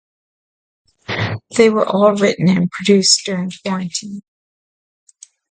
They were all written and produced during quarantine.